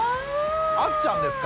あっちゃんですか。